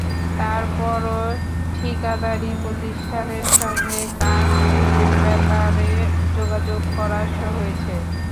তার পরও ঠিকাদারি প্রতিষ্ঠানের সঙ্গে কাজ শুরুর ব্যাপারে যোগাযোগ করা হয়েছে।